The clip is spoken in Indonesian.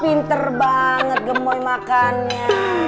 pintar banget gemboy makannya